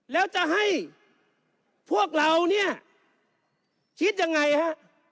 แล้วจะให้พวกเราเนี่ยคิดยังไงฮะ